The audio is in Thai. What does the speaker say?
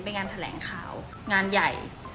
เป็นงานแถลงข่าวงานใหญ่